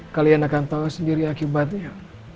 kalian akan tahu sendiri akibatnya